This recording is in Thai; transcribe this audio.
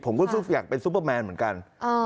ผมก็อยากเป็นซุปเปอร์แมนเหมือนกัน